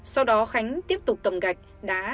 sau đó khánh tiếp tục cầm gạch đá